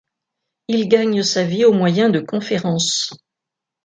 Il gagne sa vie au moyen de conférences.